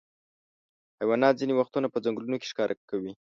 حیوانات ځینې وختونه په ځنګلونو کې ښکار کوي.